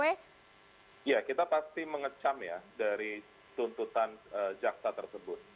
ya kita pasti mengecam ya dari tuntutan jaksa tersebut